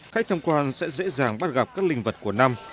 khách tham quan sẽ dễ dàng bắt gặp các linh vật của năm